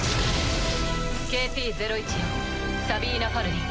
ＫＰ０１４サビーナ・ファルディン。